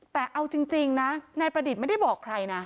แต่เอาจริงนะนายประดิษฐ์ไม่ได้บอกใครนะ